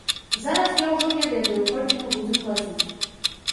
Зараз я ўжо не ведаю, колькі мы будзем плаціць.